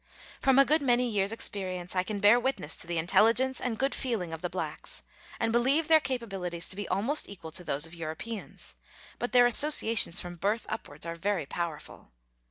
From a good many years' experience, I can> bear witness to the intelligence and good feeling of the blacks,, and believe their capabilities to be almost equal to those of Europeans, but their associations from birth upwards are very powerful.